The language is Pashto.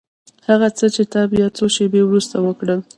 هغه څه چې تا بيا څو شېبې وروسته وکړل.